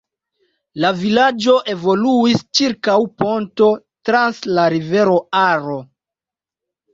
La vilaĝo evoluis ĉirkaŭ ponto trans la rivero Aro.